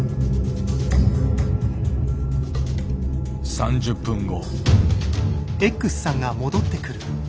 ３０分後。